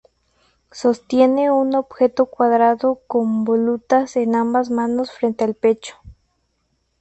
Sostiene un objeto cuadrado con volutas en ambas manos frente al pecho.